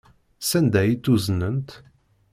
Sanda ay tt-uznent?